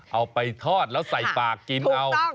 เอาไปทอดแล้วใส่ปากกินเอา